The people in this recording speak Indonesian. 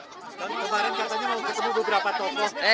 kemarin katanya mau ketemu beberapa tokoh